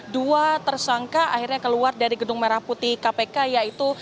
dua tersangka akhirnya keluar dari gedung merah putih kpk yaitu